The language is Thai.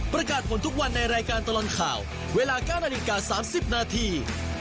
ประกาศผลทุกวันในรายการตลอดข่าวเวลา๙นาฬิกา๓๐นาที